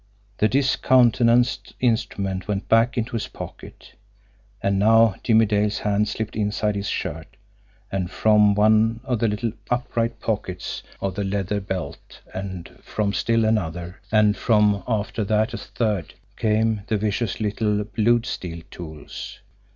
The discountenanced instrument went back into his pocket, and now Jimmie Dale's hand slipped inside his shirt, and from one of the little, upright pockets of the leather belt, and from still another, and from after that a third, came the vicious little blued steel tools.